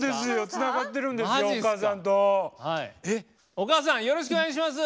お母さんよろしくお願いします！